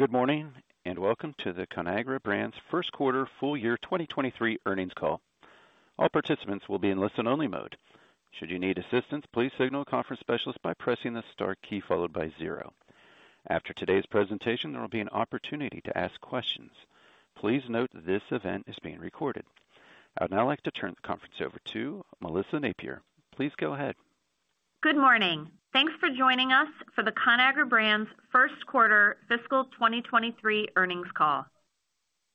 Good morning, and welcome to the Conagra Brands first quarter full year 2023 earnings call. All participants will be in listen-only mode. Should you need assistance, please signal a conference specialist by pressing the star key followed by zero. After today's presentation, there will be an opportunity to ask questions. Please note this event is being recorded. I would now like to turn the conference over to Melissa Napier. Please go ahead. Good morning. Thanks for joining us for the Conagra Brands first quarter fiscal 2023 earnings call.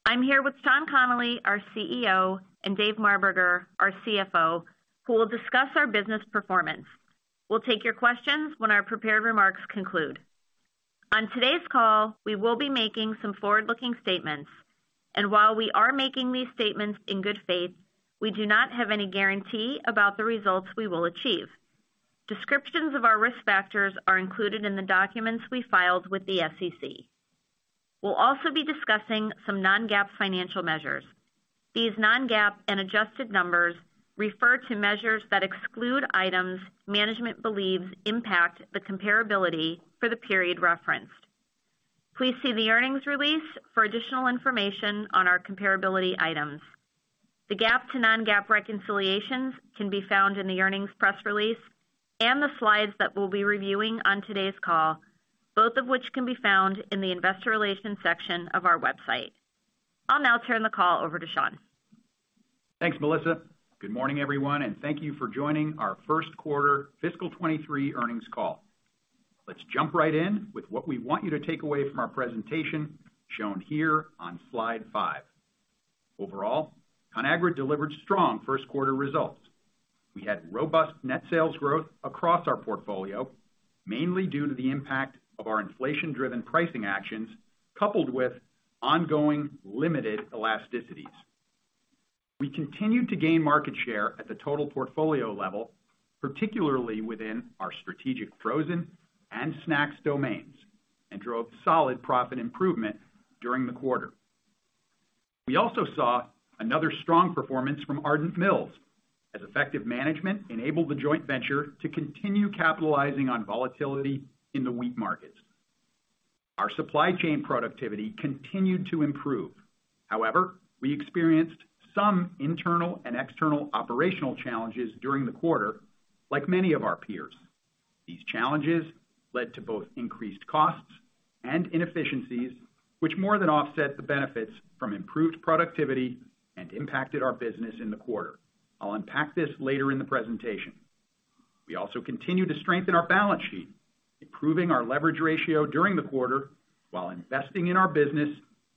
I'm here with Sean Connolly, our CEO, and Dave Marberger, our CFO, who will discuss our business performance. We'll take your questions when our prepared remarks conclude. On today's call, we will be making some forward-looking statements, and while we are making these statements in good faith, we do not have any guarantee about the results we will achieve. Descriptions of our risk factors are included in the documents we filed with the SEC. We'll also be discussing some non-GAAP financial measures. These non-GAAP and adjusted numbers refer to measures that exclude items management believes impact the comparability for the period referenced. Please see the earnings release for additional information on our comparability items. The GAAP to non-GAAP reconciliations can be found in the earnings press release and the slides that we'll be reviewing on today's call, both of which can be found in the investor relations section of our website. I'll now turn the call over to Sean. Thanks, Melissa. Good morning, everyone, and thank you for joining our first quarter fiscal 2023 earnings call. Let's jump right in with what we want you to take away from our presentation shown here on slide 5. Overall, Conagra delivered strong first quarter results. We had robust net sales growth across our portfolio, mainly due to the impact of our inflation-driven pricing actions, coupled with ongoing limited elasticities. We continued to gain market share at the total portfolio level, particularly within our strategic frozen and snacks domains, and drove solid profit improvement during the quarter. We also saw another strong performance from Ardent Mills as effective management enabled the joint venture to continue capitalizing on volatility in the wheat markets. Our supply chain productivity continued to improve. However, we experienced some internal and external operational challenges during the quarter, like many of our peers. These challenges led to both increased costs and inefficiencies, which more than offset the benefits from improved productivity and impacted our business in the quarter. I'll unpack this later in the presentation. We also continued to strengthen our balance sheet, improving our leverage ratio during the quarter while investing in our business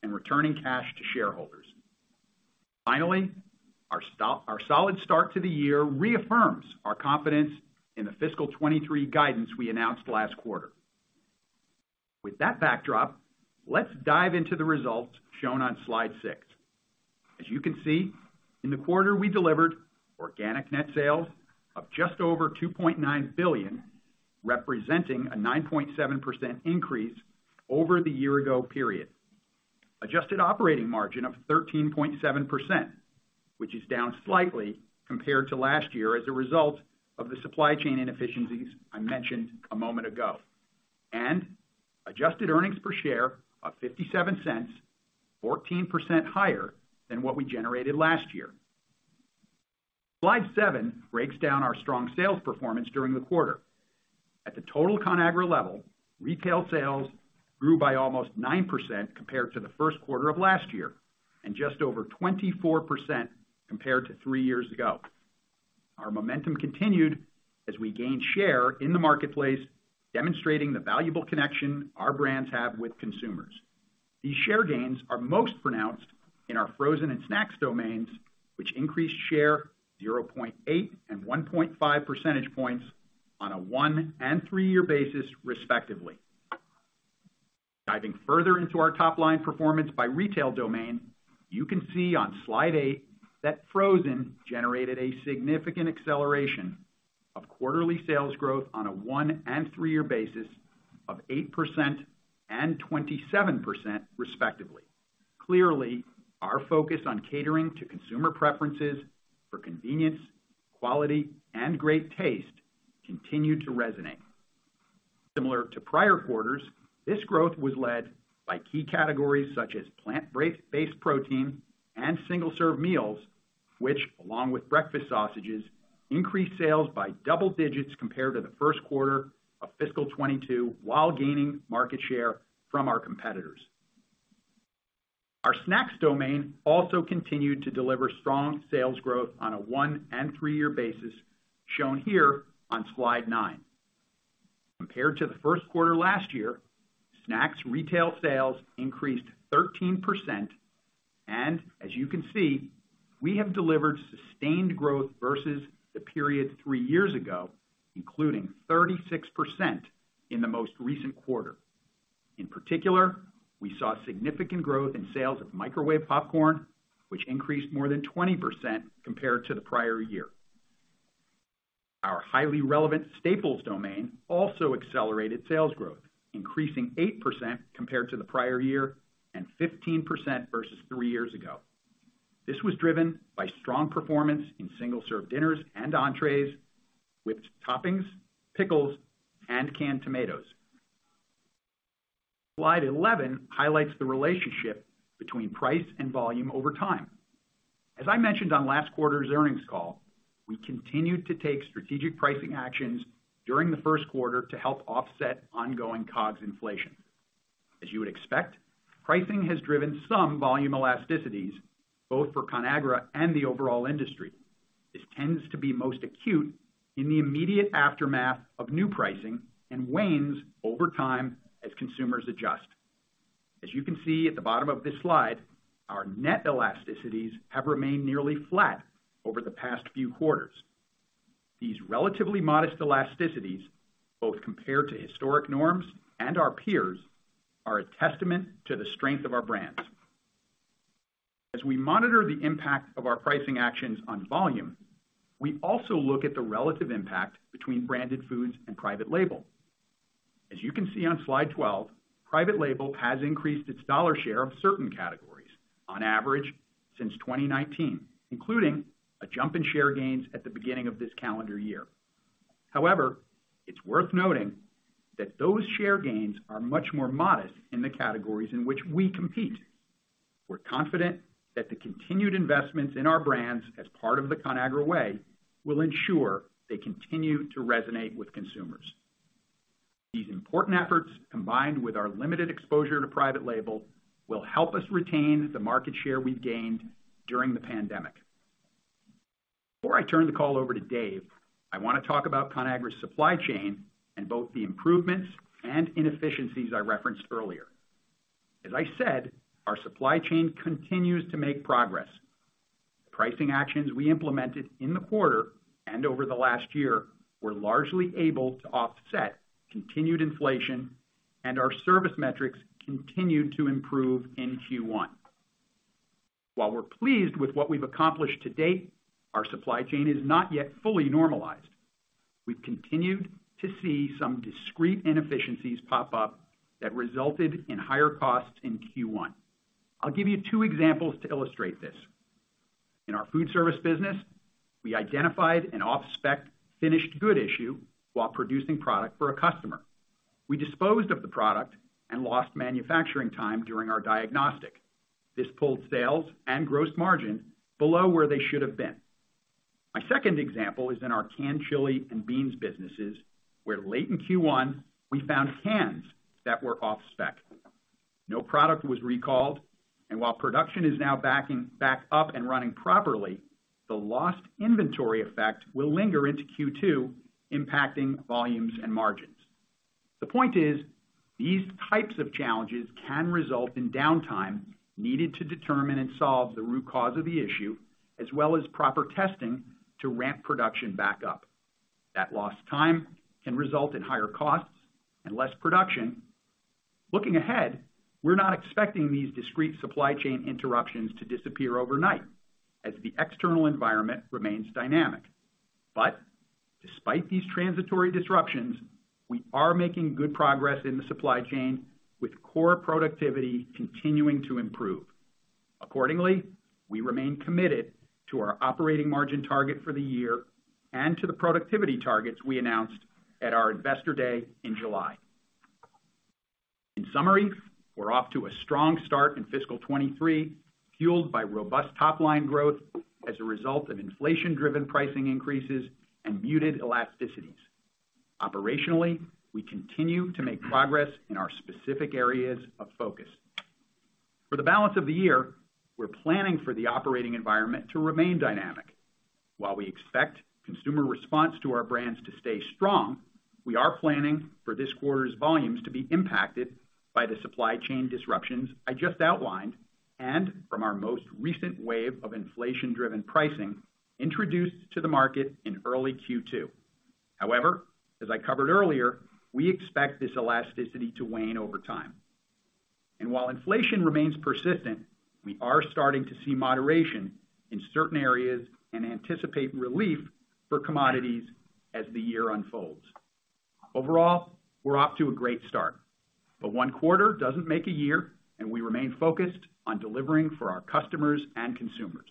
and returning cash to shareholders. Finally, our solid start to the year reaffirms our confidence in the fiscal 2023 guidance we announced last quarter. With that backdrop, let's dive into the results shown on slide 6. As you can see, in the quarter, we delivered organic net sales of just over $2.9 billion, representing a 9.7% increase over the year ago period. Adjusted operating margin of 13.7%, which is down slightly compared to last year as a result of the supply chain inefficiencies I mentioned a moment ago. Adjusted earnings per share of $0.57, 14% higher than what we generated last year. Slide 7 breaks down our strong sales performance during the quarter. At the total Conagra level, retail sales grew by almost 9% compared to the first quarter of last year and just over 24% compared to three years ago. Our momentum continued as we gained share in the marketplace, demonstrating the valuable connection our brands have with consumers. These share gains are most pronounced in our frozen and snacks domains, which increased share 0.8 and 1.5 percentage points on a 1- and 3-year basis, respectively. Diving further into our top line performance by retail domain, you can see on Slide 8 that frozen generated a significant acceleration of quarterly sales growth on a 1- and 3-year basis of 8% and 27%, respectively. Clearly, our focus on catering to consumer preferences for convenience, quality, and great taste continued to resonate. Similar to prior quarters, this growth was led by key categories such as plant-based protein and single-serve meals, which along with breakfast sausages, increased sales by double digits compared to the first quarter of fiscal 2022 while gaining market share from our competitors. Our snacks domain also continued to deliver strong sales growth on a 1- and 3-year basis, shown here on slide 9. Compared to the first quarter last year, snacks retail sales increased 13% and as you can see, we have delivered sustained growth versus the period three years ago, including 36% in the most recent quarter. In particular, we saw significant growth in sales of microwave popcorn, which increased more than 20% compared to the prior year. Our highly relevant staples domain also accelerated sales growth, increasing 8% compared to the prior year and 15% versus 3 years ago. This was driven by strong performance in single-serve dinners and entrees, whipped toppings, pickles, and canned tomatoes. Slide 11 highlights the relationship between price and volume over time. As I mentioned on last quarter's earnings call, we continued to take strategic pricing actions during the first quarter to help offset ongoing COGS inflation. As you would expect, pricing has driven some volume elasticities, both for Conagra and the overall industry. This tends to be most acute in the immediate aftermath of new pricing and wanes over time as consumers adjust. As you can see at the bottom of this slide, our net elasticities have remained nearly flat over the past few quarters. These relatively modest elasticities, both compared to historic norms and our peers, are a testament to the strength of our brands. As we monitor the impact of our pricing actions on volume, we also look at the relative impact between branded foods and private label. As you can see on slide 12, private label has increased its dollar share of certain categories on average since 2019, including a jump in share gains at the beginning of this calendar year. However, it's worth noting that those share gains are much more modest in the categories in which we compete. We're confident that the continued investments in our brands as part of the Conagra Way will ensure they continue to resonate with consumers. These important efforts, combined with our limited exposure to private label, will help us retain the market share we've gained during the pandemic. Before I turn the call over to Dave, I wanna talk about Conagra's supply chain and both the improvements and inefficiencies I referenced earlier. As I said, our supply chain continues to make progress. Pricing actions we implemented in the quarter and over the last year were largely able to offset continued inflation, and our service metrics continued to improve in Q1. While we're pleased with what we've accomplished to date, our supply chain is not yet fully normalized. We've continued to see some discrete inefficiencies pop up that resulted in higher costs in Q1. I'll give you two examples to illustrate this. In our food service business, we identified an off-spec finished good issue while producing product for a customer. We disposed of the product and lost manufacturing time during our diagnostic. This pulled sales and gross margin below where they should have been. My second example is in our canned chili and beans businesses, where late in Q1, we found cans that were off-spec. No product was recalled, and while production is now backing up and running properly, the lost inventory effect will linger into Q2, impacting volumes and margins. The point is, these types of challenges can result in downtime needed to determine and solve the root cause of the issue, as well as proper testing to ramp production back up. That lost time can result in higher costs and less production. Looking ahead, we're not expecting these discrete supply chain interruptions to disappear overnight as the external environment remains dynamic. Despite these transitory disruptions, we are making good progress in the supply chain, with core productivity continuing to improve. Accordingly, we remain committed to our operating margin target for the year and to the productivity targets we announced at our Investor Day in July. In summary, we're off to a strong start in fiscal 2023, fueled by robust top-line growth as a result of inflation-driven pricing increases and muted elasticities. Operationally, we continue to make progress in our specific areas of focus. For the balance of the year, we're planning for the operating environment to remain dynamic. While we expect consumer response to our brands to stay strong, we are planning for this quarter's volumes to be impacted by the supply chain disruptions I just outlined and from our most recent wave of inflation-driven pricing introduced to the market in early Q2. However, as I covered earlier, we expect this elasticity to wane over time. While inflation remains persistent, we are starting to see moderation in certain areas and anticipate relief for commodities as the year unfolds. Overall, we're off to a great start, but one quarter doesn't make a year, and we remain focused on delivering for our customers and consumers.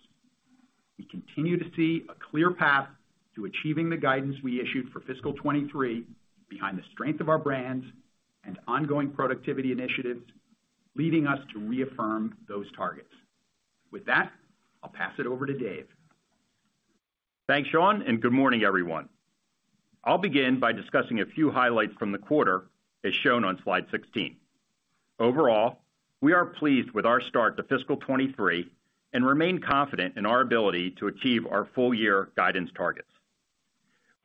We continue to see a clear path to achieving the guidance we issued for fiscal 2023 behind the strength of our brands and ongoing productivity initiatives, leading us to reaffirm those targets. With that, I'll pass it over to Dave. Thanks, Sean, and good morning, everyone. I'll begin by discussing a few highlights from the quarter, as shown on slide 16. Overall, we are pleased with our start to fiscal 2023 and remain confident in our ability to achieve our full year guidance targets.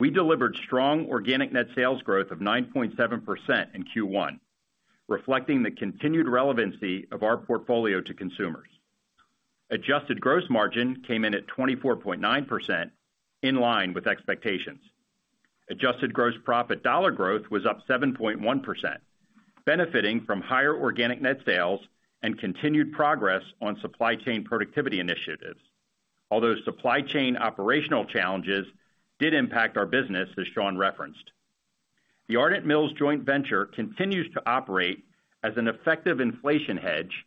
We delivered strong organic net sales growth of 9.7% in Q1, reflecting the continued relevancy of our portfolio to consumers. Adjusted gross margin came in at 24.9%, in line with expectations. Adjusted gross profit dollar growth was up 7.1%, benefiting from higher organic net sales and continued progress on supply chain productivity initiatives. Although supply chain operational challenges did impact our business, as Sean referenced. The Ardent Mills joint venture continues to operate as an effective inflation hedge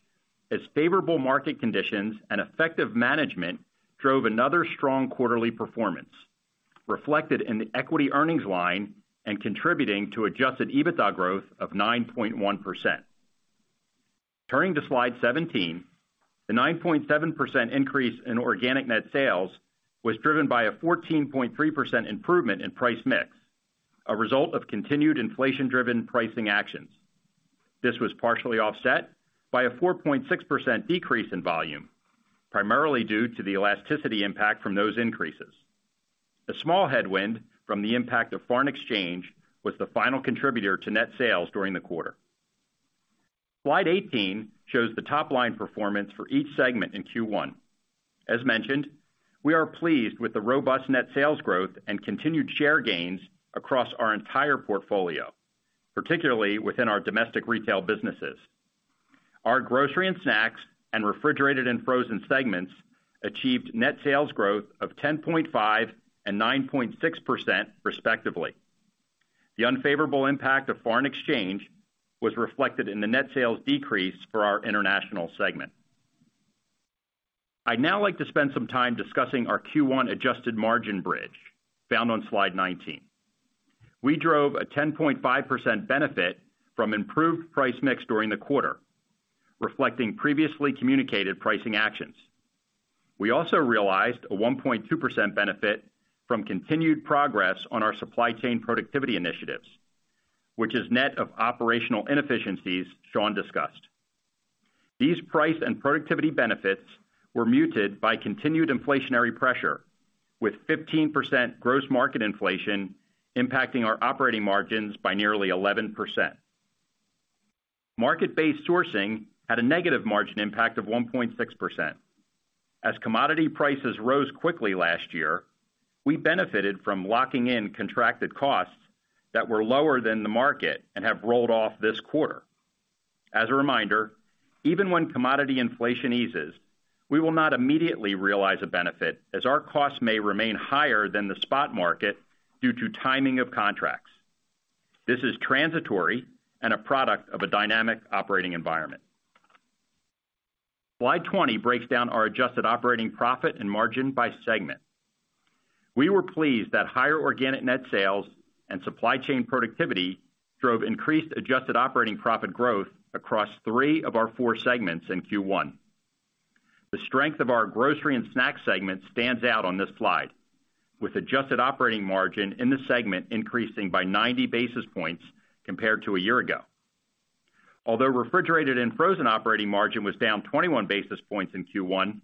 as favorable market conditions and effective management drove another strong quarterly performance, reflected in the equity earnings line and contributing to adjusted EBITDA growth of 9.1%. Turning to slide 17, the 9.7% increase in organic net sales was driven by a 14.3% improvement in price mix, a result of continued inflation-driven pricing actions. This was partially offset by a 4.6% decrease in volume, primarily due to the elasticity impact from those increases. The small headwind from the impact of foreign exchange was the final contributor to net sales during the quarter. Slide 18 shows the top-line performance for each segment in Q1. As mentioned, we are pleased with the robust net sales growth and continued share gains across our entire portfolio, particularly within our domestic retail businesses. Our grocery and snacks and refrigerated and frozen segments achieved net sales growth of 10.5% and 9.6% respectively. The unfavorable impact of foreign exchange was reflected in the net sales decrease for our international segment. I'd now like to spend some time discussing our Q1 adjusted margin bridge found on slide 19. We drove a 10.5% benefit from improved price mix during the quarter, reflecting previously communicated pricing actions. We also realized a 1.2% benefit from continued progress on our supply chain productivity initiatives, which is net of operational inefficiencies Sean discussed. These price and productivity benefits were muted by continued inflationary pressure, with 15% gross market inflation impacting our operating margins by nearly 11%. Market-based sourcing had a negative margin impact of 1.6%. As commodity prices rose quickly last year, we benefited from locking in contracted costs that were lower than the market and have rolled off this quarter. As a reminder, even when commodity inflation eases, we will not immediately realize a benefit as our costs may remain higher than the spot market due to timing of contracts. This is transitory and a product of a dynamic operating environment. Slide 20 breaks down our adjusted operating profit and margin by segment. We were pleased that higher organic net sales and supply chain productivity drove increased adjusted operating profit growth across three of our four segments in Q1. The strength of our grocery and snack segment stands out on this slide, with adjusted operating margin in the segment increasing by 90 basis points compared to a year ago. Although refrigerated and frozen operating margin was down 21 basis points in Q1,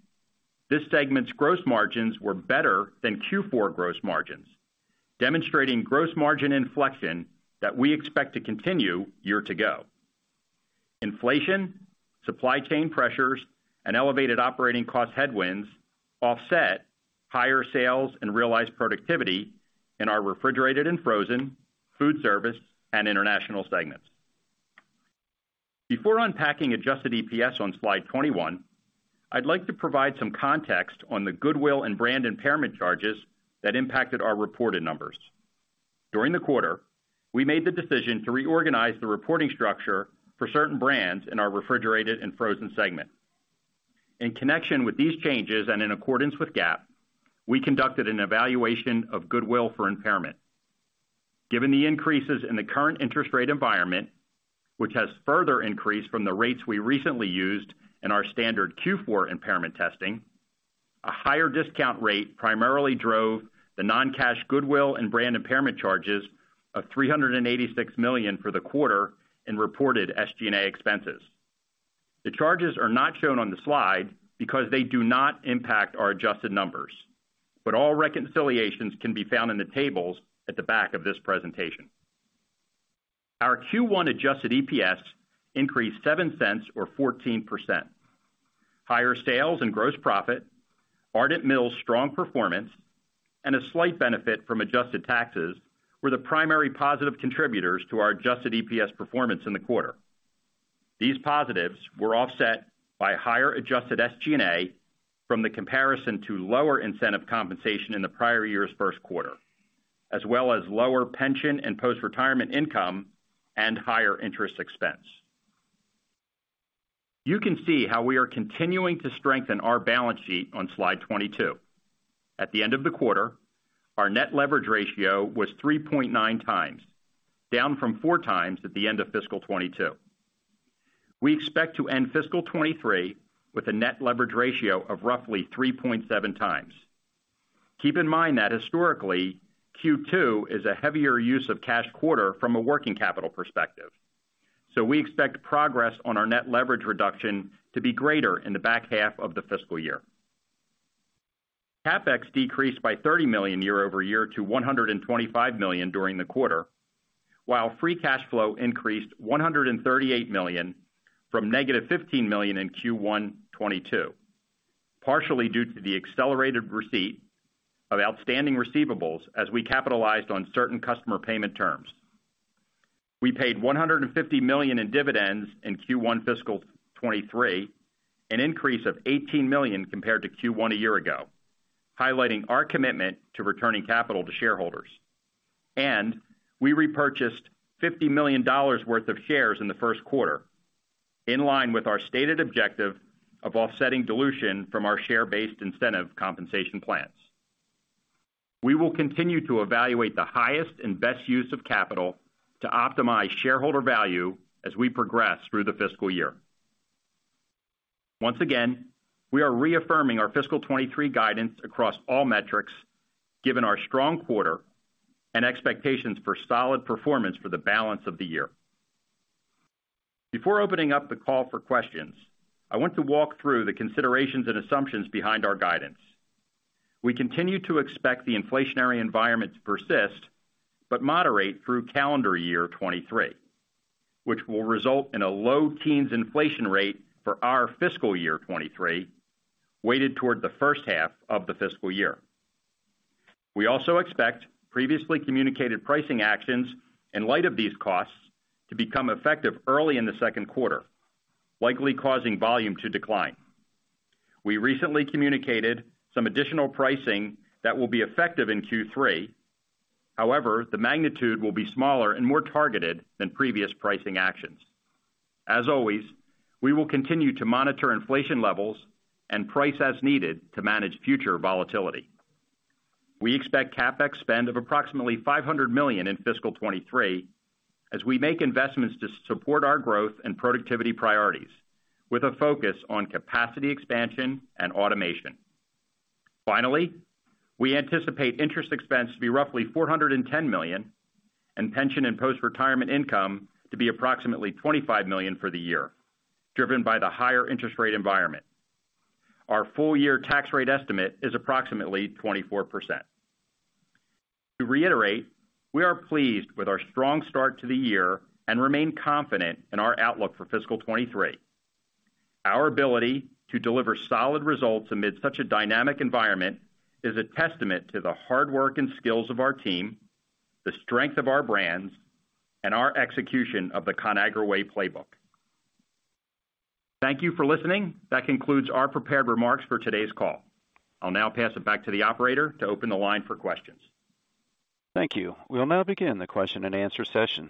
this segment's gross margins were better than Q4 gross margins, demonstrating gross margin inflection that we expect to continue year to go. Inflation, supply chain pressures, and elevated operating cost headwinds offset higher sales and realized productivity in our refrigerated and frozen, food service, and international segments. Before unpacking adjusted EPS on slide 21, I'd like to provide some context on the goodwill and brand impairment charges that impacted our reported numbers. During the quarter, we made the decision to reorganize the reporting structure for certain brands in our refrigerated and frozen segment. In connection with these changes and in accordance with GAAP, we conducted an evaluation of goodwill for impairment. Given the increases in the current interest rate environment, which has further increased from the rates we recently used in our standard Q4 impairment testing, a higher discount rate primarily drove the non-cash goodwill and brand impairment charges of $386 million for the quarter in reported SG&A expenses. The charges are not shown on the slide because they do not impact our adjusted numbers, but all reconciliations can be found in the tables at the back of this presentation. Our Q1 adjusted EPS increased $0.07 or 14%. Higher sales and gross profit, Ardent Mills' strong performance, and a slight benefit from adjusted taxes were the primary positive contributors to our adjusted EPS performance in the quarter. These positives were offset by higher adjusted SG&A from the comparison to lower incentive compensation in the prior year's first quarter, as well as lower pension and post-retirement income and higher interest expense. You can see how we are continuing to strengthen our balance sheet on slide 22. At the end of the quarter, our net leverage ratio was 3.9x, down from 4x at the end of fiscal 2022. We expect to end fiscal 2023 with a net leverage ratio of roughly 3.7x. Keep in mind that historically, Q2 is a heavier use of cash quarter from a working capital perspective. We expect progress on our net leverage reduction to be greater in the back half of the fiscal year. CapEx decreased by $30 million year-over-year to $125 million during the quarter, while free cash flow increased $138 million from negative $15 million in Q1 2022, partially due to the accelerated receipt of outstanding receivables as we capitalized on certain customer payment terms. We paid $150 million in dividends in Q1 fiscal 2023, an increase of $18 million compared to Q1 a year ago. Highlighting our commitment to returning capital to shareholders. We repurchased $50 million worth of shares in the first quarter, in line with our stated objective of offsetting dilution from our share-based incentive compensation plans. We will continue to evaluate the highest and best use of capital to optimize shareholder value as we progress through the fiscal year. Once again, we are reaffirming our fiscal 2023 guidance across all metrics given our strong quarter and expectations for solid performance for the balance of the year. Before opening up the call for questions, I want to walk through the considerations and assumptions behind our guidance. We continue to expect the inflationary environment to persist, but moderate through calendar year 2023, which will result in a low teens inflation rate for our fiscal year 2023, weighted toward the first half of the fiscal year. We also expect previously communicated pricing actions in light of these costs to become effective early in the second quarter, likely causing volume to decline. We recently communicated some additional pricing that will be effective in Q3. However, the magnitude will be smaller and more targeted than previous pricing actions. As always, we will continue to monitor inflation levels and price as needed to manage future volatility. We expect CapEx spend of approximately $500 million in fiscal 2023 as we make investments to support our growth and productivity priorities, with a focus on capacity expansion and automation. Finally, we anticipate interest expense to be roughly $410 million, and pension and post-retirement income to be approximately $25 million for the year, driven by the higher interest rate environment. Our full year tax rate estimate is approximately 24%. To reiterate, we are pleased with our strong start to the year and remain confident in our outlook for fiscal 2023. Our ability to deliver solid results amid such a dynamic environment is a testament to the hard work and skills of our team, the strength of our brands, and our execution of the Conagra Way playbook. Thank you for listening. That concludes our prepared remarks for today's call. I'll now pass it back to the operator to open the line for questions. Thank you. We'll now begin the question and-answer-session.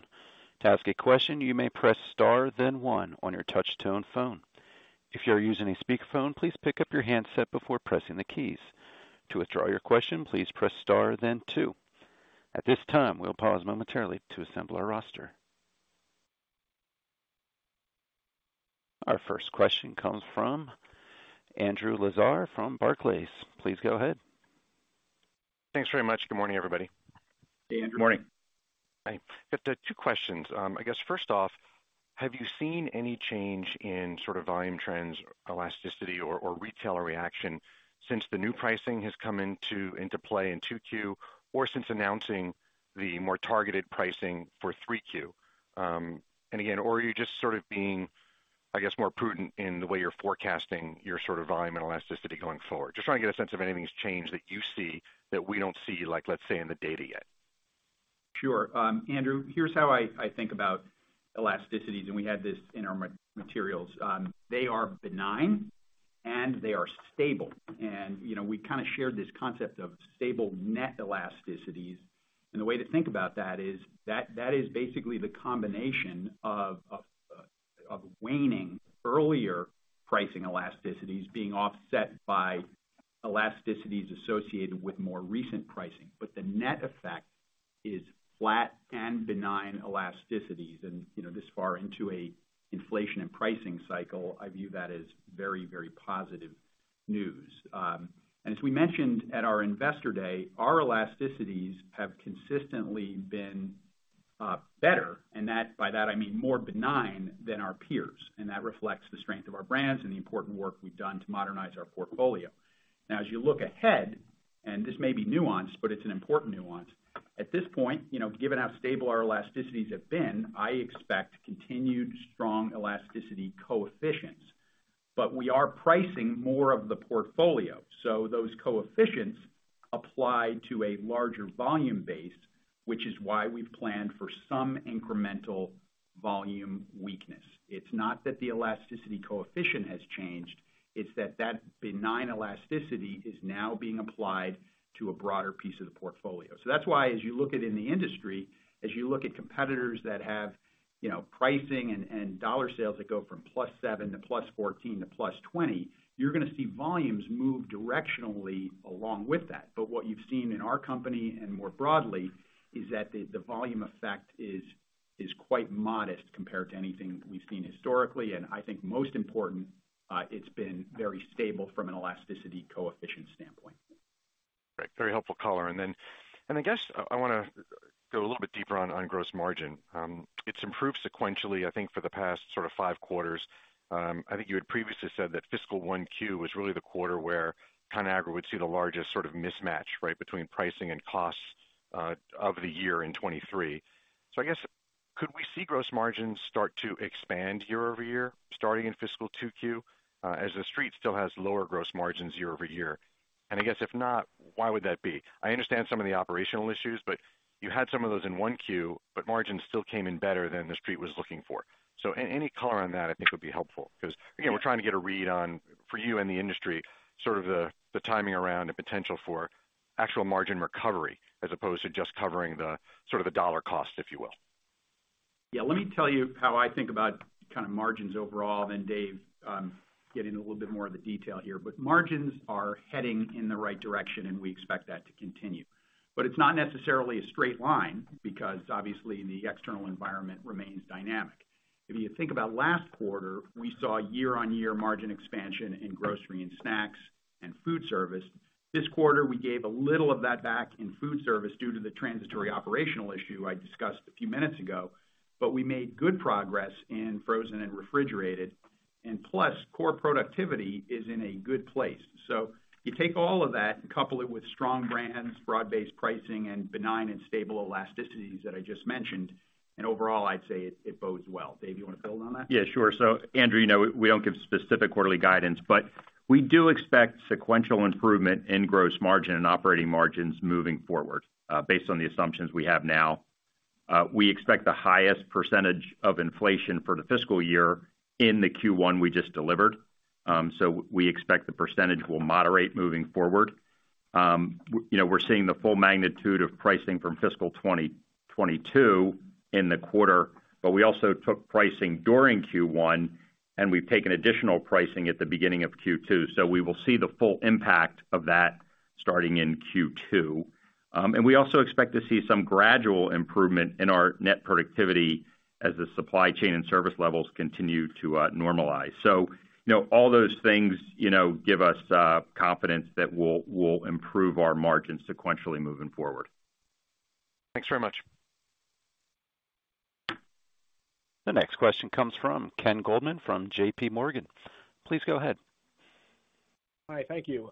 To ask a question, you may press star then one on your touch tone phone. If you're using a speakerphone, please pick up your handset before pressing the keys. To withdraw your question, please press star then two. At this time, we'll pause momentarily to assemble our roster. Our first question comes from Andrew Lazar from Barclays. Please go ahead. Thanks very much. Good morning, everybody. Good morning. Hi. Got two questions. I guess first off, have you seen any change in sort of volume trends, elasticity or retailer reaction since the new pricing has come into play in 2Q or since announcing the more targeted pricing for 3Q? Or are you just sort of being, I guess, more prudent in the way you're forecasting your sort of volume and elasticity going forward? Just trying to get a sense of anything's changed that you see that we don't see, like, let's say, in the data yet. Sure. Andrew, here's how I think about elasticities, and we had this in our materials. They are benign, and they are stable. You know, we kinda shared this concept of stable net elasticities. The way to think about that is that is basically the combination of waning earlier pricing elasticities being offset by elasticities associated with more recent pricing. But the net effect is flat and benign elasticities. You know, this far into an inflation and pricing cycle, I view that as very, very positive news. As we mentioned at our Investor Day, our elasticities have consistently been better, and that, by that I mean, more benign than our peers, and that reflects the strength of our brands and the important work we've done to modernize our portfolio. Now, as you look ahead, and this may be nuanced, but it's an important nuance. At this point, you know, given how stable our elasticities have been, I expect continued strong elasticity coefficients. We are pricing more of the portfolio, so those coefficients apply to a larger volume base, which is why we've planned for some incremental volume weakness. It's not that the elasticity coefficient has changed. It's that that benign elasticity is now being applied to a broader piece of the portfolio. That's why as you look at in the industry, as you look at competitors that have, you know, pricing and dollar sales that go from +7% to +14% to +20%, you're gonna see volumes move directionally along with that. What you've seen in our company and more broadly is that the volume effect is quite modest compared to anything we've seen historically. I think most important, it's been very stable from an elasticity coefficient standpoint. Great. Very helpful color. I guess I wanna go a little bit deeper on gross margin. It's improved sequentially, I think, for the past 5 quarters. I think you had previously said that fiscal 1Q was really the quarter where Conagra would see the largest sort of mismatch, right? Between pricing and costs of the year in 2023. Could we see gross margins start to expand year-over-year, starting in fiscal 2Q, as the Street still has lower gross margins year-over-year? I guess if not, why would that be? I understand some of the operational issues, but you had some of those in 1Q, but margins still came in better than the Street was looking for. Any color on that I think would be helpful. Because again, we're trying to get a read on, for you and the industry, sort of the timing around the potential for actual margin recovery as opposed to just covering the sort of dollar cost, if you will. Yeah, let me tell you how I think about kind of margins overall, then Dave, get into a little bit more of the detail here. Margins are heading in the right direction, and we expect that to continue. It's not necessarily a straight line because obviously the external environment remains dynamic. If you think about last quarter, we saw year-on-year margin expansion in grocery and snacks and food service. This quarter, we gave a little of that back in food service due to the transitory operational issue I discussed a few minutes ago, but we made good progress in frozen and refrigerated. Plus, core productivity is in a good place. You take all of that and couple it with strong brands, broad-based pricing, and benign and stable elasticities that I just mentioned, and overall, I'd say it bodes well. Dave, you wanna build on that? Yeah, sure. Andrew, you know, we don't give specific quarterly guidance, but we do expect sequential improvement in gross margin and operating margins moving forward, based on the assumptions we have now. We expect the highest percentage of inflation for the fiscal year in the Q1 we just delivered. We expect the percentage will moderate moving forward. You know, we're seeing the full magnitude of pricing from fiscal 2022 in the quarter, but we also took pricing during Q1, and we've taken additional pricing at the beginning of Q2. We will see the full impact of that starting in Q2. We also expect to see some gradual improvement in our net productivity as the supply chain and service levels continue to normalize. You know, all those things, you know, give us confidence that we'll improve our margins sequentially moving forward. Thanks very much. The next question comes from Ken Goldman from JPMorgan. Please go ahead. Hi, thank you.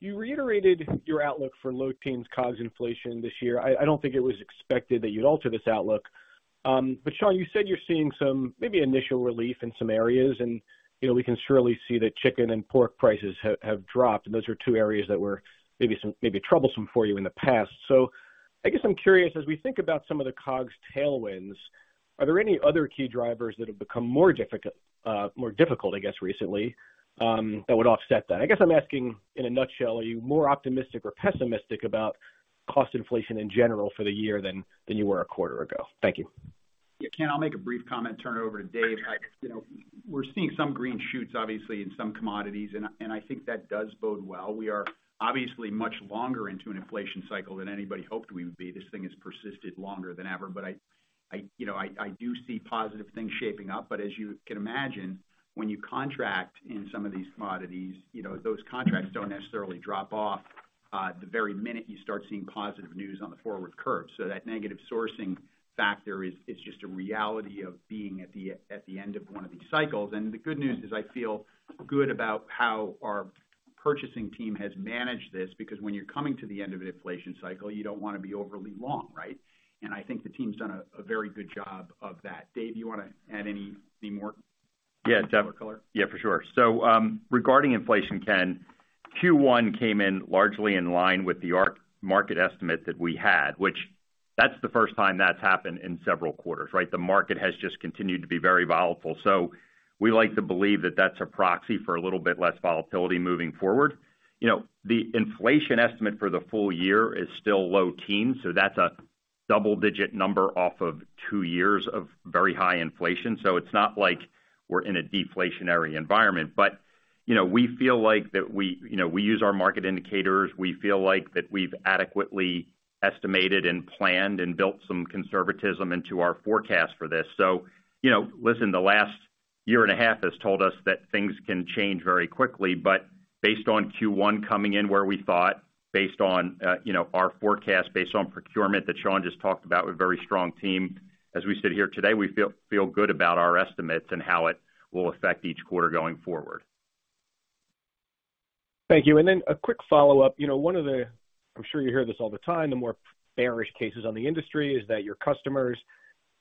You reiterated your outlook for low teens COGS inflation this year. I don't think it was expected that you'd alter this outlook. Sean, you said you're seeing some maybe initial relief in some areas and, you know, we can surely see that chicken and pork prices have dropped, and those are two areas that were maybe troublesome for you in the past. I guess I'm curious, as we think about some of the COGS tailwinds, are there any other key drivers that have become more difficult, I guess, recently, that would offset that? I guess I'm asking in a nutshell, are you more optimistic or pessimistic about cost inflation in general for the year than you were a quarter ago? Thank you. Yeah, Ken, I'll make a brief comment, turn it over to Dave. You know, we're seeing some green shoots, obviously, in some commodities, and I think that does bode well. We are obviously much longer into an inflation cycle than anybody hoped we would be. This thing has persisted longer than ever. I, you know, I do see positive things shaping up. As you can imagine, when you contract in some of these commodities, you know, those contracts don't necessarily drop off the very minute you start seeing positive news on the forward curve. That negative sourcing factor is just a reality of being at the end of one of these cycles. The good news is I feel good about how our purchasing team has managed this because when you're coming to the end of an inflation cycle, you don't wanna be overly long, right? I think the team's done a very good job of that. Dave, you wanna add any more- Yeah- More color? Yeah, for sure. Regarding inflation, Ken, Q1 came in largely in line with the our market estimate that we had, which that's the first time that's happened in several quarters, right? The market has just continued to be very volatile. We like to believe that that's a proxy for a little bit less volatility moving forward. You know, the inflation estimate for the full year is still low teens, so that's a double-digit number off of two years of very high inflation. It's not like we're in a deflationary environment. You know, we feel like that we, you know, we use our market indicators. We feel like that we've adequately estimated and planned and built some conservatism into our forecast for this. You know, listen, the last year and a half has told us that things can change very quickly. Based on Q1 coming in where we thought based on, you know, our forecast based on procurement that Sean just talked about with very strong team, as we sit here today, we feel good about our estimates and how it will affect each quarter going forward. Thank you. Then a quick follow-up. You know, one of the, I'm sure you hear this all the time, the more bearish cases on the industry is that your customers,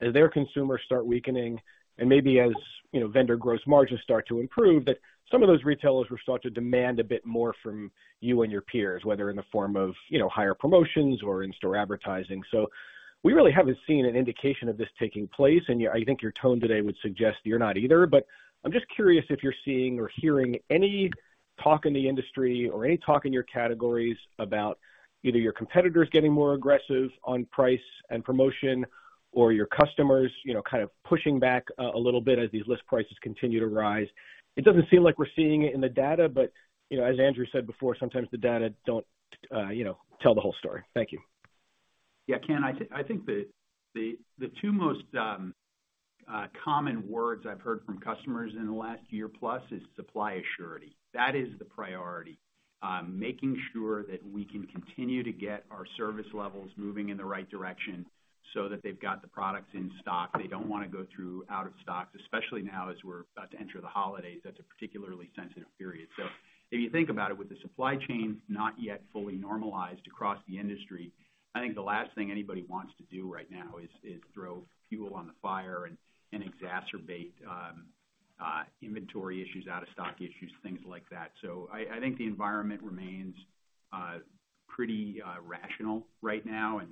as their consumers start weakening and maybe as, you know, vendor gross margins start to improve, that some of those retailers will start to demand a bit more from you and your peers, whether in the form of, you know, higher promotions or in-store advertising. We really haven't seen an indication of this taking place, and I think your tone today would suggest you're not either. I'm just curious if you're seeing or hearing any talk in the industry or any talk in your categories about either your competitors getting more aggressive on price and promotion or your customers, you know, kind of pushing back a little bit as these list prices continue to rise. It doesn't seem like we're seeing it in the data, but you know, as Andrew said before, sometimes the data don't, you know, tell the whole story. Thank you. Yeah, Ken, I think the two most common words I've heard from customers in the last year plus is supply surety. That is the priority. Making sure that we can continue to get our service levels moving in the right direction so that they've got the products in stock. They don't wanna go through out of stocks, especially now as we're about to enter the holidays. That's a particularly sensitive period. If you think about it, with the supply chain not yet fully normalized across the industry, I think the last thing anybody wants to do right now is throw fuel on the fire and exacerbate inventory issues, out of stock issues, things like that. I think the environment remains pretty rational right now and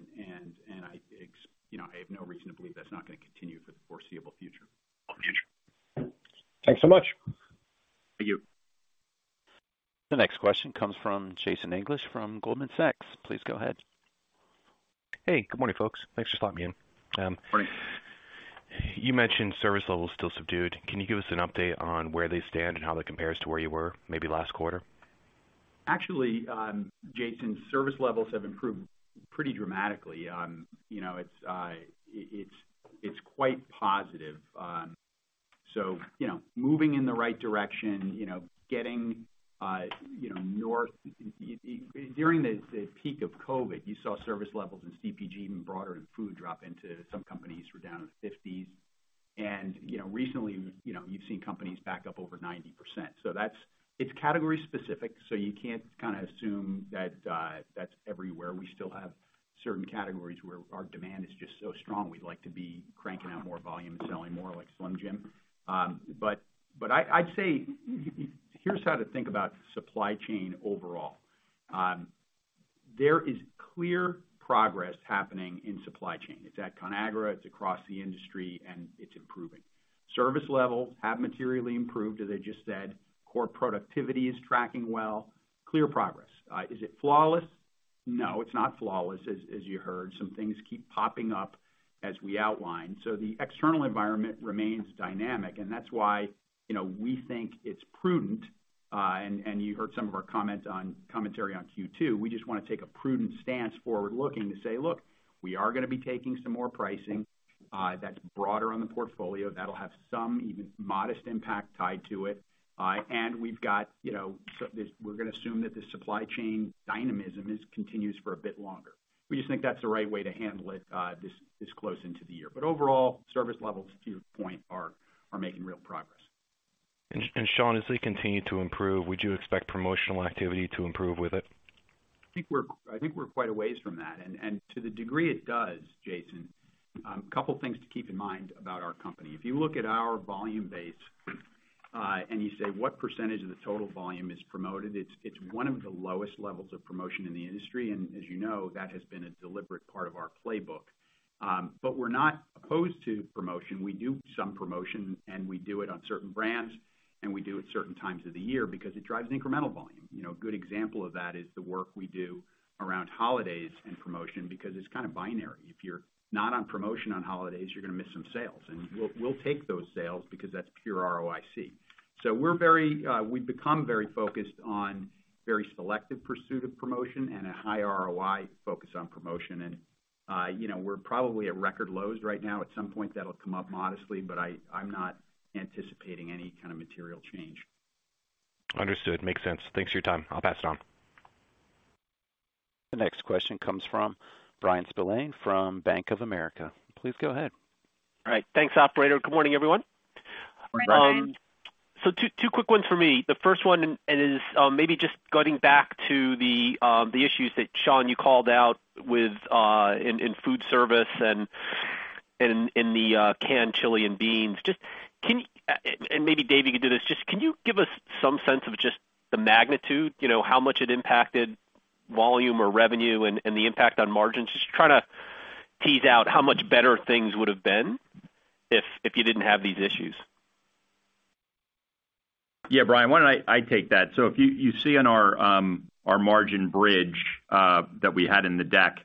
I have no reason to believe that's not gonna continue for the foreseeable future. Thanks so much. Thank you. The next question comes from Jason English from Goldman Sachs. Please go ahead. Hey, good morning, folks. Thanks for slotting me in. Morning. You mentioned service levels still subdued. Can you give us an update on where they stand and how that compares to where you were maybe last quarter? Actually, Jason, service levels have improved pretty dramatically. You know, it's quite positive. You know, moving in the right direction. During the peak of COVID, you saw service levels in CPG even broader than food drop to some companies were down in the 50%s. Recently, you know, you've seen companies back up over 90%. That's category specific, so you can't kinda assume that that's everywhere. We still have certain categories where our demand is just so strong, we'd like to be cranking out more volume and selling more like Slim Jim. I'd say here's how to think about supply chain overall. There is clear progress happening in supply chain. It's at Conagra, it's across the industry, and it's improving. Service levels have materially improved, as I just said. Core productivity is tracking well. Clear progress. Is it flawless? No, it's not flawless. As you heard, some things keep popping up as we outline. The external environment remains dynamic, and that's why, you know, we think it's prudent, and you heard some of our comments on Q2. We just wanna take a prudent stance forward looking to say, "Look, we are gonna be taking some more pricing, that's broader on the portfolio. That'll have some even modest impact tied to it. And we've got, you know, we're gonna assume that the supply chain dynamism continues for a bit longer." We just think that's the right way to handle it, this close into the year. Overall, service levels, to your point, are making real progress. Sean, as they continue to improve, would you expect promotional activity to improve with it? I think we're quite a ways from that. To the degree it does, Jason, a couple things to keep in mind about our company. If you look at our volume base, and you say, "What percentage of the total volume is promoted?" It's one of the lowest levels of promotion in the industry. As you know, that has been a deliberate part of our playbook. But we're not opposed to promotion. We do some promotion, and we do it on certain brands, and we do it certain times of the year because it drives incremental volume. You know, a good example of that is the work we do around holidays and promotion because it's kind of binary. If you're not on promotion on holidays, you're gonna miss some sales, and we'll take those sales because that's pure ROIC. We've become very focused on very selective pursuit of promotion and a high ROI focus on promotion. You know, we're probably at record lows right now. At some point, that'll come up modestly, but I'm not anticipating any kind of material change. Understood. Makes sense. Thanks for your time. I'll pass it on. The next question comes from Bryan Spillane from Bank of America. Please go ahead. All right. Thanks, operator. Good morning, everyone. Good morning. Two quick ones for me. The first one is maybe just getting back to the issues that Sean you called out with in food service and in the canned chili and beans. And maybe Dave you could do this. Just can you give us some sense of just the magnitude, you know, how much it impacted volume or revenue and the impact on margins? Just trying to tease out how much better things would have been if you didn't have these issues. Yeah. Bryan, why don't I take that? If you see on our margin bridge that we had in the deck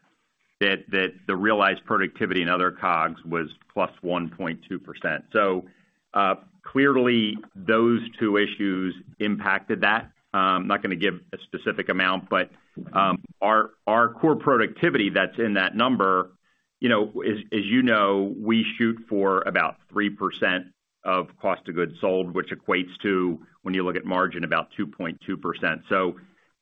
that the realized productivity and other COGS was +1.2%. Clearly, those two issues impacted that. I'm not gonna give a specific amount, but our core productivity that's in that number, you know, as you know, we shoot for about 3% of cost of goods sold, which equates to, when you look at margin, about 2.2%.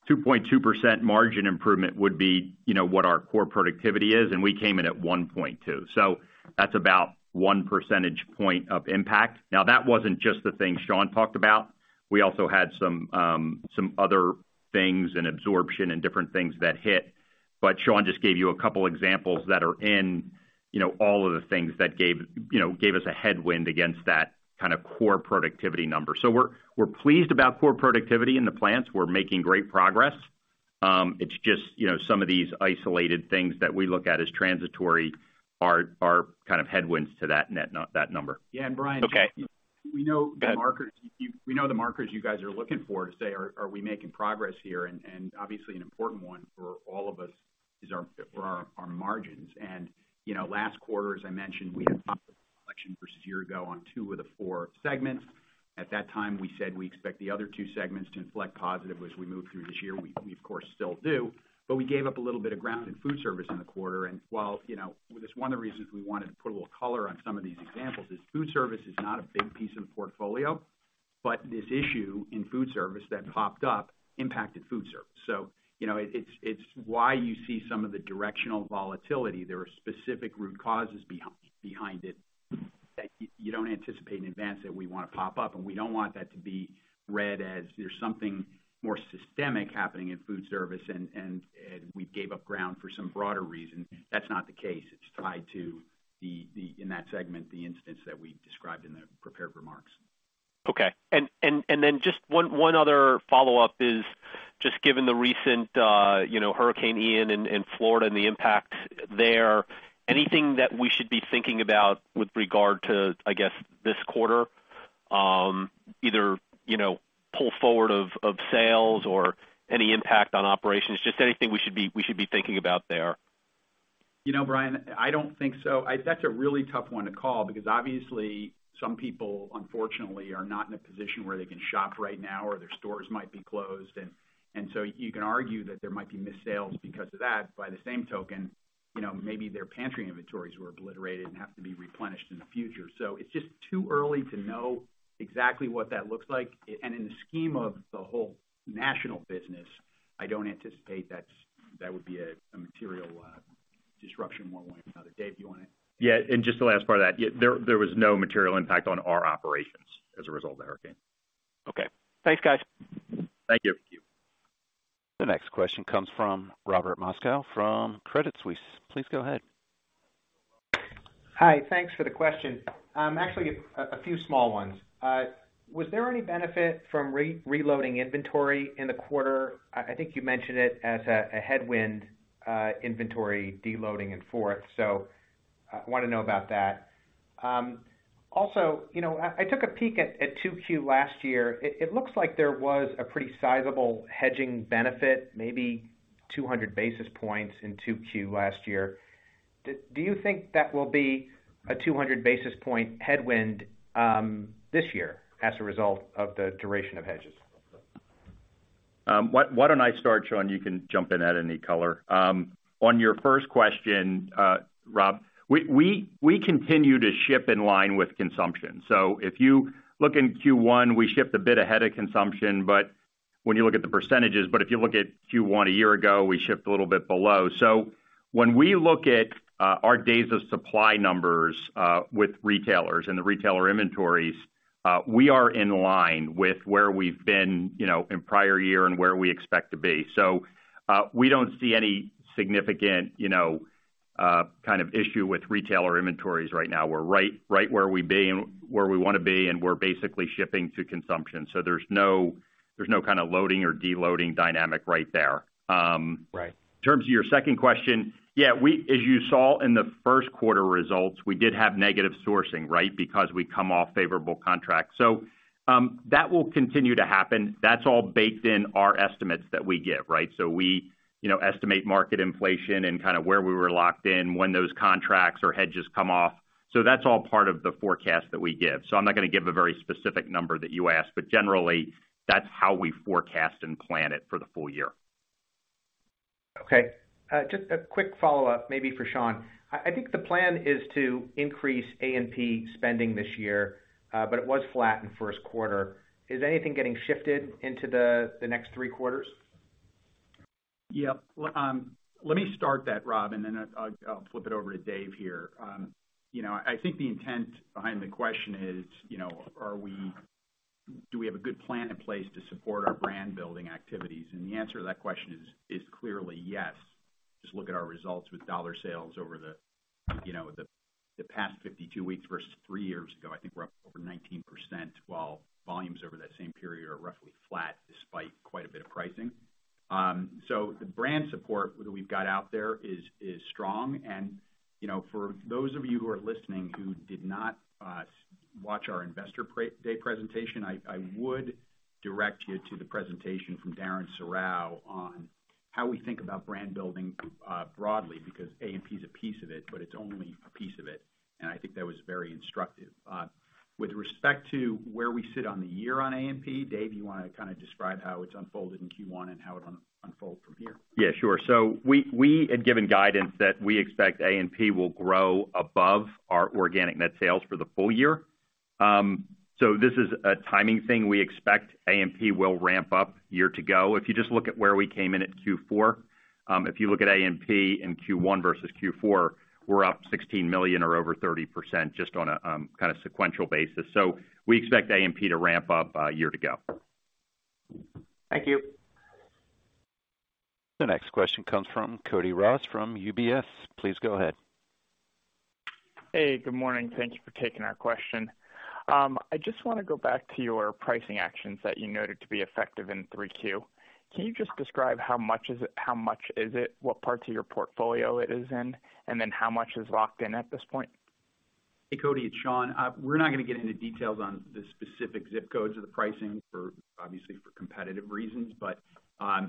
2.2% margin improvement would be, you know, what our core productivity is, and we came in at 1.2. That's about one percentage point of impact. Now, that wasn't just the thing Sean talked about. We also had some other things and absorption and different things that hit. Sean just gave you a couple examples that are in, you know, all of the things that gave us a headwind against that kind of core productivity number. We're pleased about core productivity in the plants. We're making great progress. It's just, you know, some of these isolated things that we look at as transitory are kind of headwinds to that number. Yeah. Bryan- Okay. We know the markers you- Go ahead. We know the markers you guys are looking for to say, are we making progress here? Obviously, an important one for all of us is our margins. You know, last quarter, as I mentioned, we had compression versus year ago on two of the four segments. At that time, we said we expect the other two segments to inflect positive as we move through this year. We, of course, still do, but we gave up a little bit of ground in food service in the quarter. While, you know, that's one of the reasons we wanted to put a little color on some of these examples is food service is not a big piece of the portfolio, but this issue in food service that popped up impacted food service. You know, it's why you see some of the directional volatility. There are specific root causes behind it that you don't anticipate in advance that we wanna pop up, and we don't want that to be read as there's something more systemic happening in food service and we gave up ground for some broader reason. That's not the case. It's tied to the instance in that segment that we described in the prepared remarks. Okay. Just one other follow-up is just given the recent, you know, Hurricane Ian in Florida and the impact there, anything that we should be thinking about with regard to, I guess, this quarter, either, you know, pull forward of sales or any impact on operations? Just anything we should be thinking about there. You know, Bryan, I don't think so. That's a really tough one to call because obviously some people unfortunately are not in a position where they can shop right now or their stores might be closed. So you can argue that there might be missed sales because of that. By the same token, you know, maybe their pantry inventories were obliterated and have to be replenished in the future. It's just too early to know exactly what that looks like. And in the scheme of the whole national business, I don't anticipate that would be a material disruption one way or another. Dave, do you wanna- Yeah, just the last part of that. Yeah, there was no material impact on our operations as a result of the hurricane. Okay. Thanks, guys. Thank you. Thank you. The next question comes from Robert Moskow from Credit Suisse. Please go ahead. Hi. Thanks for the question. Actually a few small ones. Was there any benefit from reloading inventory in the quarter? I think you mentioned it as a headwind, inventory deloading in Q4, so wanna know about that. Also, you know, I took a peek at 2Q last year. It looks like there was a pretty sizable hedging benefit, maybe 200 basis points in 2Q last year. Do you think that will be a 200 basis point headwind this year as a result of the duration of hedges? Why don't I start, Sean, you can jump in and add color. On your first question, Robert, we continue to ship in line with consumption. If you look in Q1, we shipped a bit ahead of consumption, but when you look at the percentages, if you look at Q1 a year ago, we shipped a little bit below. When we look at our days of supply numbers with retailers and the retailer inventories, we are in line with where we've been, you know, in prior year and where we expect to be. We don't see any significant, you know, kind of issue with retailer inventories right now. We're right where we wanna be, and we're basically shipping to consumption. There's no kinda loading or deloading dynamic right there. Um- Right. In terms of your second question, yeah, we as you saw in the first quarter results, we did have negative sourcing, right? Because we come off favorable contracts. That will continue to happen. That's all baked in our estimates that we give, right? We, you know, estimate market inflation and kinda where we were locked in, when those contracts or hedges come off. That's all part of the forecast that we give. I'm not gonna give a very specific number that you asked, but generally that's how we forecast and plan it for the full year. Okay. Just a quick follow-up maybe for Sean. I think the plan is to increase A&P spending this year, but it was flat in first quarter. Is anything getting shifted into the next three quarters? Yeah. Well, let me start that, Rob, and then I'll flip it over to Dave here. You know, I think the intent behind the question is, you know, do we have a good plan in place to support our brand building activities? The answer to that question is clearly yes. Just look at our results with dollar sales over the, you know, past 52 weeks versus 3 years ago. I think we're up over 19%, while volumes over that same period are roughly flat despite quite a bit of pricing. So the brand support that we've got out there is strong. You know, for those of you who are listening who did not watch our Investor Day presentation, I would direct you to the presentation from Darren Serrao on how we think about brand building broadly because A&P is a piece of it, but it's only a piece of it, and I think that was very instructive. With respect to where we sit on the year on A&P, Dave, you wanna kinda describe how it's unfolded in Q1 and how it unfold from here? Yeah, sure. We had given guidance that we expect A&P will grow above our organic net sales for the full year. This is a timing thing. We expect A&P will ramp up year to go. If you just look at where we came in at Q4, if you look at A&P in Q1 versus Q4, we're up $16 million or over 30% just on a kinda sequential basis. We expect A&P to ramp up year to go. Thank you. The next question comes from Cody Ross from UBS. Please go ahead. Hey, good morning. Thank you for taking our question. I just wanna go back to your pricing actions that you noted to be effective in 3Q. Can you just describe how much it is, what parts of your portfolio it is in, and then how much is locked in at this point? Hey, Cody, it's Sean. We're not gonna get into details on the specific zip codes of the pricing for, obviously for competitive reasons, but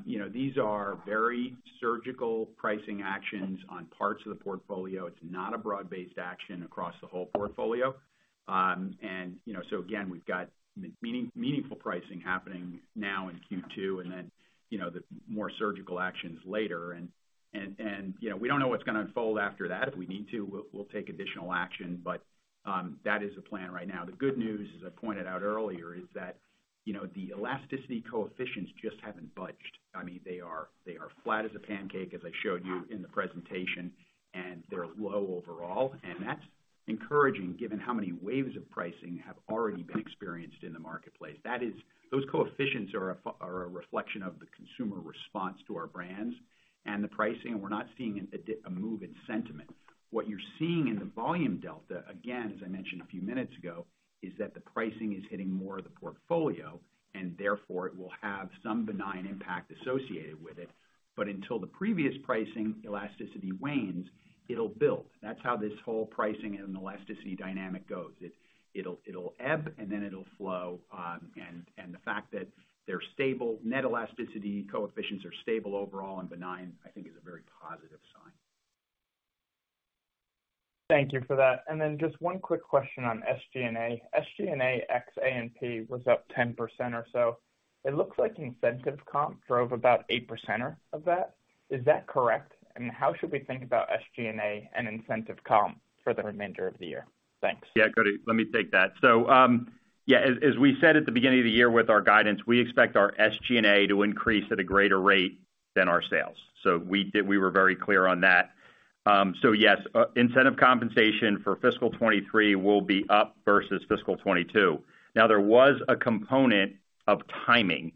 you know, these are very surgical pricing actions on parts of the portfolio. It's not a broad-based action across the whole portfolio. You know, we've got meaningful pricing happening now in Q2, and then, you know, the more surgical actions later. You know, we don't know what's gonna unfold after that. If we need to, we'll take additional action, but that is the plan right now. The good news, as I pointed out earlier, is that you know, the elasticity coefficients just haven't budged. I mean, they are flat as a pancake, as I showed you in the presentation, and they're low overall, and that's encouraging given how many waves of pricing have already been experienced in the marketplace. That is, those coefficients are a reflection of the consumer response to our brands and the pricing, and we're not seeing a move in sentiment. What you're seeing in the volume delta, again, as I mentioned a few minutes ago, is that the pricing is hitting more of the portfolio and therefore it will have some benign impact associated with it. But until the previous pricing elasticity wanes, it'll build. That's how this whole pricing and elasticity dynamic goes. It'll ebb and then it'll flow. The fact that they're stable, net elasticity coefficients are stable overall and benign, I think is a very positive sign. Thank you for that. Just one quick question on SG&A. SG&A ex A&P was up 10% or so. It looks like incentive comp drove about eight percent of that. Is that correct? How should we think about SG&A and incentive comp for the remainder of the year? Thanks. Yeah, got it. Let me take that. Yeah, as we said at the beginning of the year with our guidance, we expect our SG&A to increase at a greater rate than our sales. We were very clear on that. Yes, incentive compensation for fiscal 2023 will be up versus fiscal 2022. Now, there was a component of timing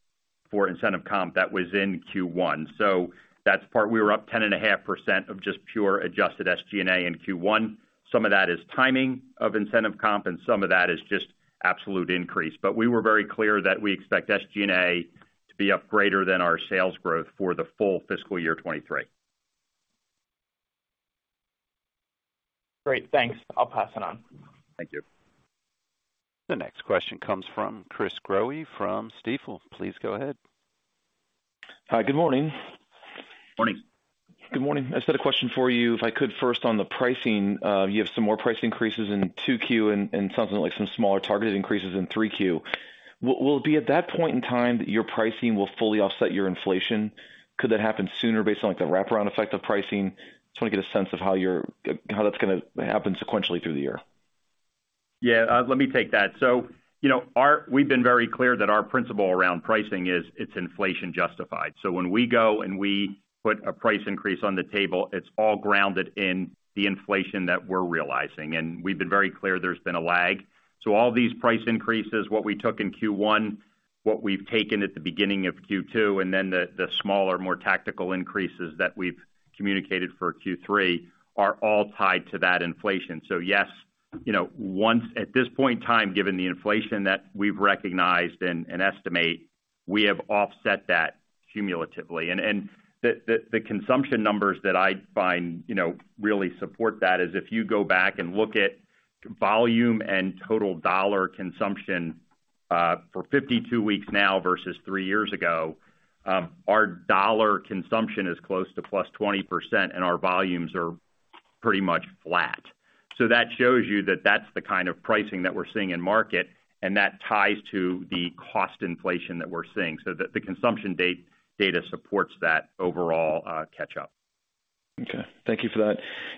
for incentive comp that was in Q1, so that's part, we were up 10.5% of just pure adjusted SG&A in Q1. Some of that is timing of incentive comp, and some of that is just absolute increase. We were very clear that we expect SG&A to be up greater than our sales growth for the full fiscal year 2023. Great. Thanks. I'll pass it on. Thank you. The next question comes from Chris Growe from Stifel. Please go ahead. Hi, good morning. Morning. Good morning. I just had a question for you, if I could first on the pricing. You have some more price increases in 2Q and something like some smaller targeted increases in 3Q. Will it be at that point in time that your pricing will fully offset your inflation? Could that happen sooner based on, like, the wraparound effect of pricing? Just wanna get a sense of how that's gonna happen sequentially through the year. Yeah. Let me take that. You know, we've been very clear that our principle around pricing is it's inflation justified. When we go and we put a price increase on the table, it's all grounded in the inflation that we're realizing. We've been very clear there's been a lag. All these price increases, what we took in Q1, what we've taken at the beginning of Q2, and then the smaller, more tactical increases that we've communicated for Q3 are all tied to that inflation. Yes, you know, once at this point in time, given the inflation that we've recognized and estimate, we have offset that cumulatively. The consumption numbers that I find, you know, really support that is if you go back and look at volume and total dollar consumption for 52 weeks now versus 3 years ago, our dollar consumption is close to +20% and our volumes are pretty much flat. That shows you that that's the kind of pricing that we're seeing in market and that ties to the cost inflation that we're seeing. The consumption data supports that overall catch up. Okay. Thank you for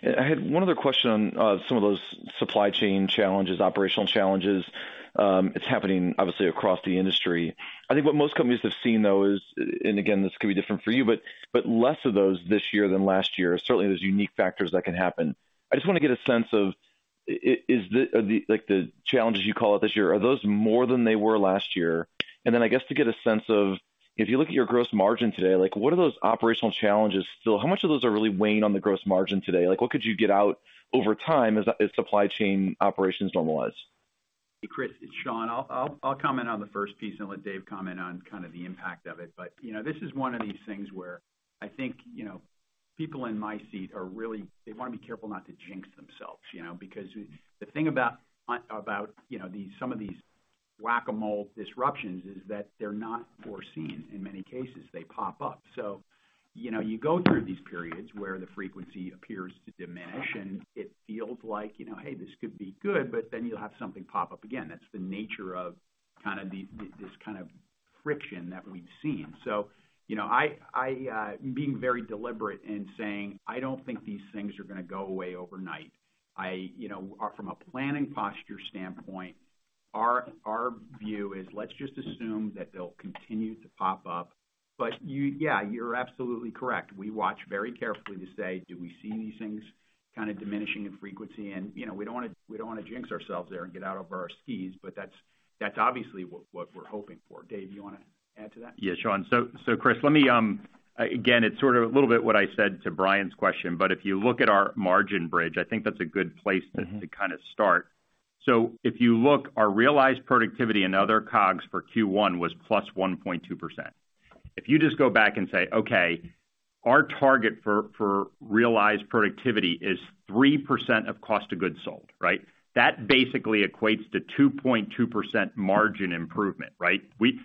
that. I had one other question on some of those supply chain challenges, operational challenges. It's happening obviously across the industry. I think what most companies have seen though is, and again, this could be different for you, but less of those this year than last year. Certainly, there's unique factors that can happen. I just wanna get a sense of is the like the challenges you call it this year, are those more than they were last year? I guess to get a sense of if you look at your gross margin today, like what are those operational challenges still? How much of those are really weighing on the gross margin today? Like, what could you get out over time as supply chain operations normalize? Chris, it's Sean. I'll comment on the first piece and let Dave comment on kind of the impact of it. You know, this is one of these things where I think, you know, people in my seat are really, they wanna be careful not to jinx themselves, you know. Because the thing about about, you know, these, some of these whack-a-mole disruptions is that they're not foreseen in many cases. They pop up. You know, you go through these periods where the frequency appears to diminish and it feels like, you know, hey, this could be good, but then you'll have something pop up again. That's the nature of, kind of the, this kind of friction that we've seen. You know, I am being very deliberate in saying I don't think these things are gonna go away overnight. You know, from a planning posture standpoint, our view is let's just assume that they'll continue to pop up. You, yeah, you're absolutely correct. We watch very carefully to say, do we see these things kind of diminishing in frequency? You know, we don't wanna jinx ourselves there and get out over our skis, but that's obviously what we're hoping for. Dave, you wanna add to that? Yeah, Sean. Chris, let me again, it's sort of a little bit what I said to Bryan's question, but if you look at our margin bridge, I think that's a good place to- Mm-hmm To kind of start. If you look, our realized productivity and other COGS for Q1 was +1.2%. If you just go back and say, okay, our target for realized productivity is 3% of cost of goods sold, right? That basically equates to 2.2% margin improvement, right?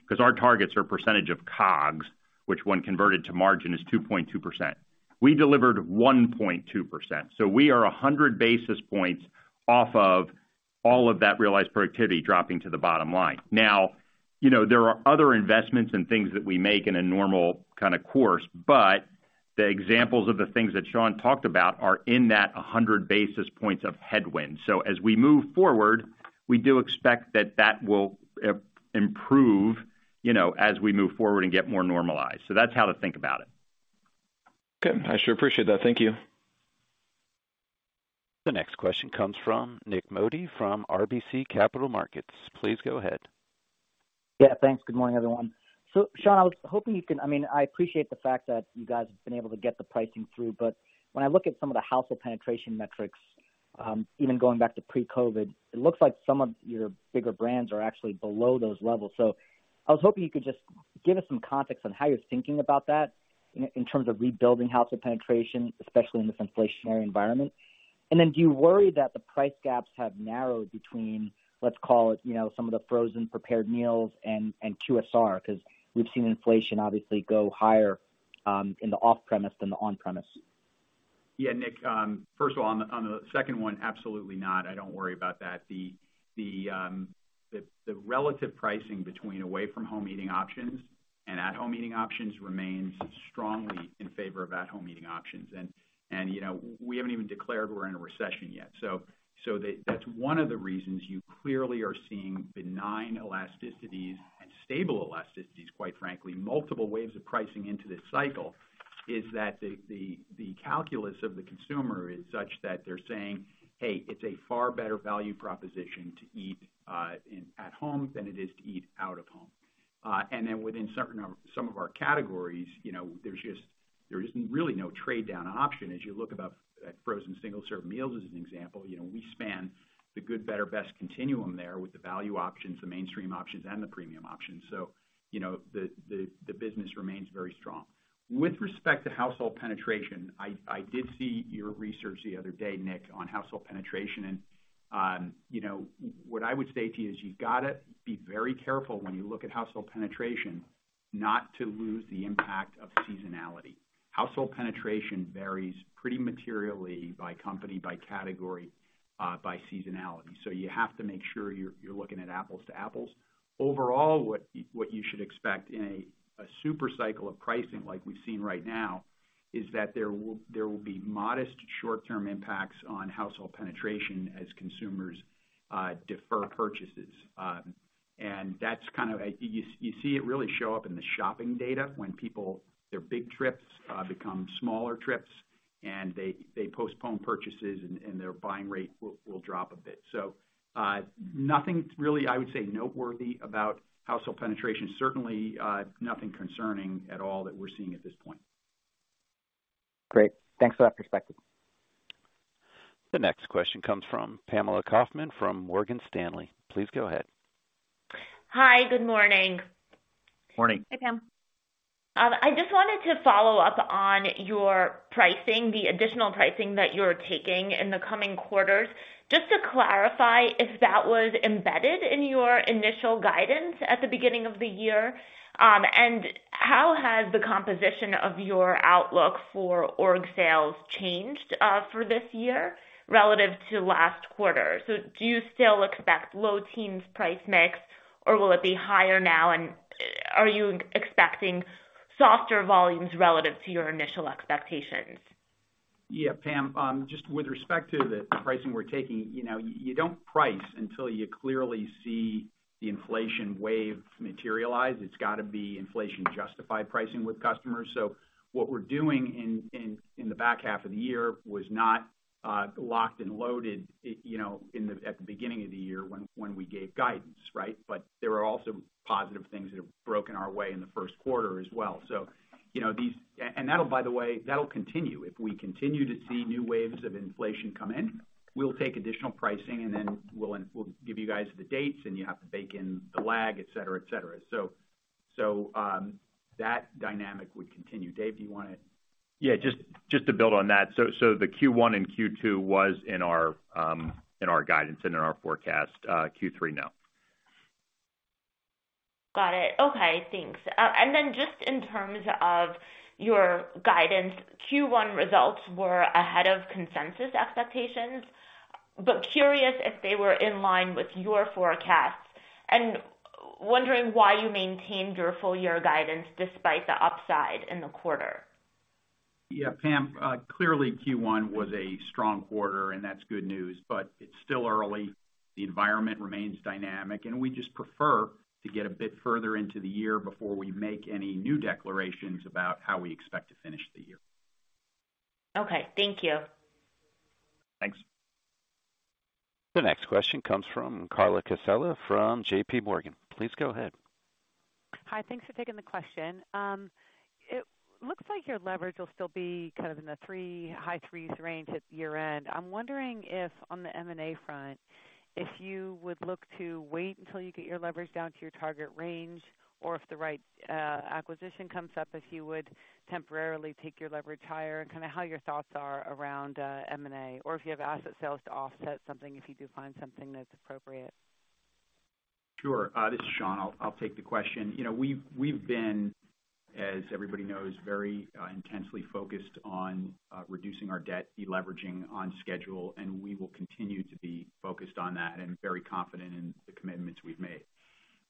'Cause our targets are percentage of COGS, which when converted to margin is 2.2%. We delivered 1.2%. So we are 100 basis points off of all of that realized productivity dropping to the bottom line. Now, you know, there are other investments and things that we make in a normal kind of course, but the examples of the things that Sean talked about are in that 100 basis points of headwind. As we move forward, we do expect that will improve, you know, as we move forward and get more normalized. That's how to think about it. Okay. I sure appreciate that. Thank you. The next question comes from Nik Modi from RBC Capital Markets. Please go ahead. Yeah, thanks. Good morning, everyone. Sean, I mean, I appreciate the fact that you guys have been able to get the pricing through, but when I look at some of the household penetration metrics, even going back to pre-COVID, it looks like some of your bigger brands are actually below those levels. I was hoping you could just give us some context on how you're thinking about that in terms of rebuilding household penetration, especially in this inflationary environment. Then do you worry that the price gaps have narrowed between, let's call it, you know, some of the frozen prepared meals and QSR? 'Cause we've seen inflation obviously go higher in the off-premise than the on-premise. Yeah, Nik, first of all, on the second one, absolutely not. I don't worry about that. The relative pricing between away from home eating options and at-home eating options remains strongly in favor of at-home eating options. You know, we haven't even declared we're in a recession yet. That's one of the reasons you clearly are seeing benign elasticities and stable elasticities, quite frankly. Multiple waves of pricing into this cycle is that the calculus of the consumer is such that they're saying, "Hey, it's a far better value proposition to eat in at home than it is to eat out of home." Then within certain of some of our categories, you know, there's just really no trade-down option. As you look at frozen single-serve meals as an example, you know, we span the good, better, best continuum there with the value options, the mainstream options, and the premium options. You know, the business remains very strong. With respect to household penetration, I did see your research the other day, Nik, on household penetration and, you know, what I would say to you is you've gotta be very careful when you look at household penetration not to lose the impact of seasonality. Household penetration varies pretty materially by company, by category, by seasonality, so you have to make sure you're looking at apples to apples. Overall, what you should expect in a super cycle of pricing like we've seen right now, is that there will be modest short-term impacts on household penetration as consumers defer purchases. And that's kind of a you see it really show up in the shopping data when people, their big trips become smaller trips and they postpone purchases and their buying rate will drop a bit. Nothing really, I would say, noteworthy about household penetration. Certainly, nothing concerning at all that we're seeing at this point. Great. Thanks for that perspective. The next question comes from Pamela Kaufman from Morgan Stanley. Please go ahead. Hi, good morning. Morning. Hey, Pam. I just wanted to follow up on your pricing, the additional pricing that you're taking in the coming quarters. Just to clarify if that was embedded in your initial guidance at the beginning of the year. How has the composition of your outlook for org sales changed, for this year relative to last quarter? Do you still expect low teens price mix, or will it be higher now? Are you expecting softer volumes relative to your initial expectations? Yeah, Pam. Just with respect to the pricing we're taking, you know, you don't price until you clearly see the inflation wave materialize. It's gotta be inflation-justified pricing with customers. What we're doing in the back half of the year was not locked and loaded, it, you know, at the beginning of the year when we gave guidance, right? There are also positive things that have broken our way in the first quarter as well. You know, these and that'll, by the way, that'll continue. If we continue to see new waves of inflation come in, we'll take additional pricing, and then we'll give you guys the dates, and you have to bake in the lag, et cetera, et cetera. That dynamic would continue. Dave, do you wanna? Yeah, just to build on that. The Q1 and Q2 was in our guidance and in our forecast. Q3, no. Got it. Okay, thanks. Just in terms of your guidance, Q1 results were ahead of consensus expectations, but curious if they were in line with your forecasts and wondering why you maintained your full year guidance despite the upside in the quarter? Yeah, Pam, clearly Q1 was a strong quarter, and that's good news, but it's still early. The environment remains dynamic, and we just prefer to get a bit further into the year before we make any new declarations about how we expect to finish the year. Okay, thank you. Thanks. The next question comes from Carla Casella from JPMorgan. Please go ahead. Hi, thanks for taking the question. It looks like your leverage will still be kind of in the 3, high 3s range at year-end. I'm wondering if, on the M&A front, if you would look to wait until you get your leverage down to your target range or if the right acquisition comes up, if you would temporarily take your leverage higher and kinda how your thoughts are around M&A. Or if you have asset sales to offset something if you do find something that's appropriate. Sure. This is Sean. I'll take the question. You know, we've been, as everybody knows, very intensely focused on reducing our debt, de-leveraging on schedule, and we will continue to be focused on that and very confident in the commitments we've made.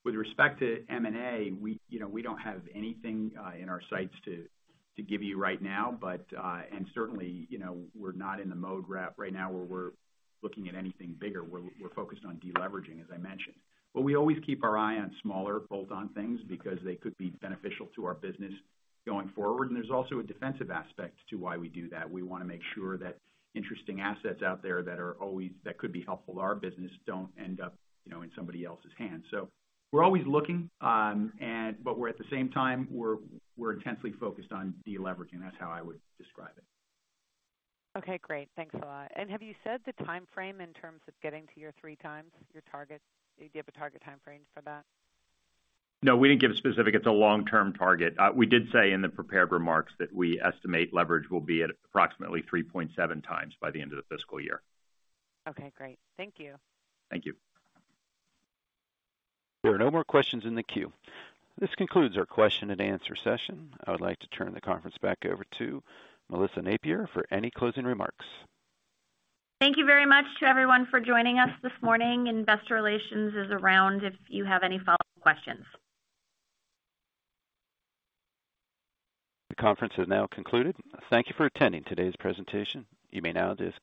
With respect to M&A, you know, we don't have anything in our sights to give you right now, but and certainly, you know, we're not in the mode right now where we're looking at anything bigger. We're focused on de-leveraging, as I mentioned. But we always keep our eye on smaller bolt-on things because they could be beneficial to our business going forward. There's also a defensive aspect to why we do that. We wanna make sure that interesting assets out there that could be helpful to our business don't end up, you know, in somebody else's hands. We're always looking, and, but we're at the same time, we're intensely focused on de-leveraging. That's how I would describe it. Okay, great. Thanks a lot. Have you set the timeframe in terms of getting to your 3x, your target? Do you have a target timeframe for that? No, we didn't give a specific. It's a long-term target. We did say in the prepared remarks that we estimate leverage will be at approximately 3.7x by the end of the fiscal year. Okay, great. Thank you. Thank you. There are no more questions in the queue. This concludes our question-and-answer session. I would like to turn the conference back over to Melissa Napier for any closing remarks. Thank you very much to everyone for joining us this morning. Investor Relations is around if you have any follow-up questions. The conference has now concluded. Thank you for attending today's presentation. You may now disconnect.